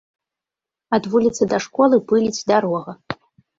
Ад вуліцы да школы пыліць дарога.